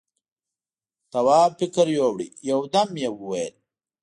تواب فکر يووړ، يو دم يې وويل: